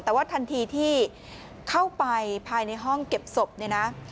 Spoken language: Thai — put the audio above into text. แต่ว่าทันทีที่เข้าไปภายในห้องเก็บศพเนี่ยนะ